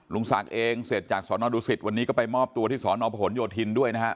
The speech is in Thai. ลุงศักดิ์เองเสร็จจากสนดูสิตวันนี้ก็ไปมอบตัวที่สอนอพหนโยธินด้วยนะฮะ